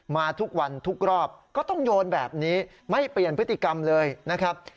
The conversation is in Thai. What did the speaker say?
มาทุกวันทุกรอบก็ต้องโยนแบบนี้ไม่เปลี่ยนพฤติกรรมเลยนะครับ